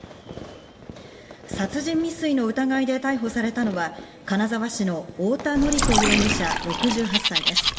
殺人未遂の疑いで逮捕されたのは金沢市の大田紀子容疑者、６８歳です。